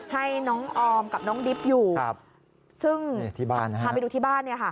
ให้น้องออมกับน้องดิบอยู่ซึ่งทำไปดูที่บ้านเนี่ยค่ะนี่ที่บ้าน